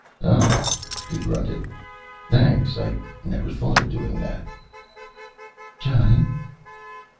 "Oh," he grunted. "Thanks. I never thought of doing that." "Johnny."